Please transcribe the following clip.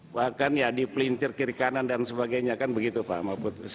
bahkan ya di pelintir kiri kanan dan sebagainya kan begitu pak mahfud